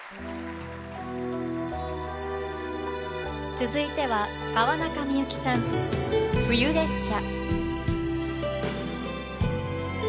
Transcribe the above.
続いては川中美幸さん「冬列車」。